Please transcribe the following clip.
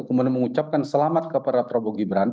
kemudian mengucapkan selamat kepada prabowo gibran